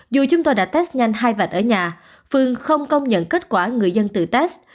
dù chúng tôi đã test nhanh hai vạch ở nhà phương không công nhận kết quả người dân tự test